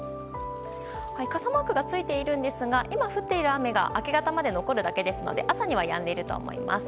傘マークがついていますが今降っている雨が明け方まで残るだけですので朝にはやんでいると思います。